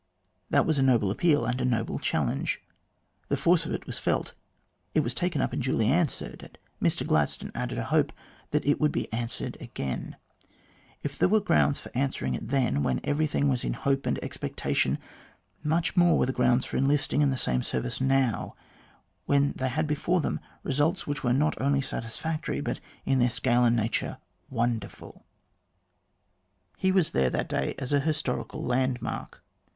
That was a noble appeal and a noble challenge. The force of it was felt. It was taken up and duly answered, and Mr Gladstone added a hope that it would be answered again. If there were grounds for answer ing it then, when everything was in hope and expectation, much more were there grounds for enlisting in the same service now, when they had before them results which were not only satisfactory, but in their scale and nature, wonderful. He was there that day as an historical landmark.